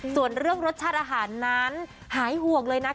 ส่วนเรื่องรสชาติอาหารนั้นหายห่วงเลยนะคะ